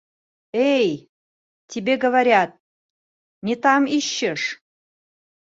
Эй, тебе говорят, не там ищешь!